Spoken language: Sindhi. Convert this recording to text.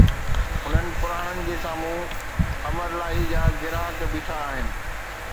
انهن پراڻن جي سامهون امرلاهي جا گراهڪ بيٺا آهن